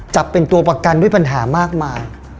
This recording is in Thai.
จับเป็นตัวประกันด้วยปัญหามากมาย